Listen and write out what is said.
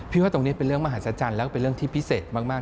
ว่าตรงนี้เป็นเรื่องมหัศจรรย์แล้วก็เป็นเรื่องที่พิเศษมาก